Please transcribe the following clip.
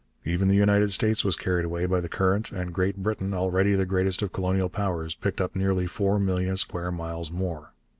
Even the United States was carried away by the current, and Great Britain, already the greatest of colonial powers, picked up nearly four million square miles more.